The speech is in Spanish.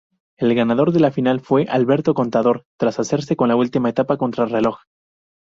El ganador final fue Alberto Contador tras hacerse con la última etapa contrarreloj.